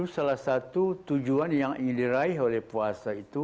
salah satu tujuan yang ingin diraih oleh puasa itu